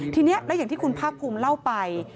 ทีนี้แล้วอย่างที่คุณภาคภูมิเล่าไป